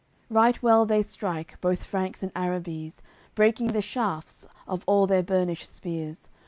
AOI. CCLIII Right well they strike, both Franks and Arrabies, Breaking the shafts of all their burnished spears.